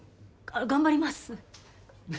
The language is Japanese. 頑張ります。